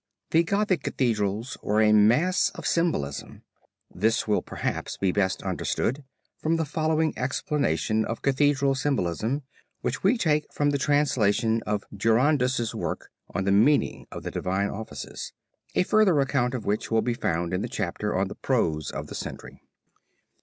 The Gothic Cathedrals were a mass of symbolism. This will perhaps be best understood from the following explanation of Cathedral symbolism, which we take from the translation of Durandus's work on the meaning of the Divine Offices, a further account of which will be found in the chapter on The Prose of the Century.